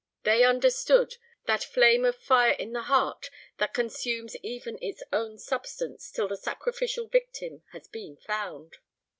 They understood that flame of fire in the heart that consumes even its own substance till the sacrificial victim has been found.